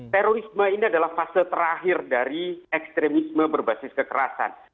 terorisme ini adalah fase terakhir dari ekstremisme berbasis kekerasan